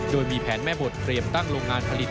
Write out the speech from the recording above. โดยมีแผนแม่บทเตรียมตั้งโรงงานผลิต